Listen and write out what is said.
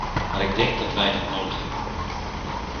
Maar ik denk dat wij dat nodig hebben.